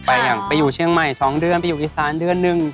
อย่างไปอยู่เชียงใหม่๒เดือนไปอยู่อีสานเดือนหนึ่ง